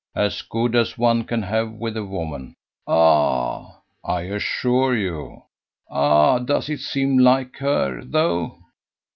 "As good as one can have with a woman." "Ah?" "I assure you." "Ah! Does it seem like her, though?"